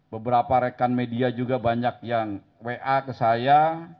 beberapa rekan media juga banyak yang wa ke saya